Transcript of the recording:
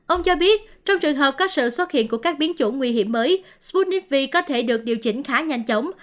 ông cho biết trong trường hợp có sự xuất hiện của các biến chủng nguy hiểm mới sputnif v có thể được điều chỉnh khá nhanh chóng